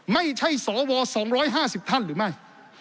ไม่ใช่สว๒๕๐ท่านหรือไม่